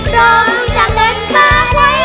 โตมมันจะเหมือนฝ้าไหลวะ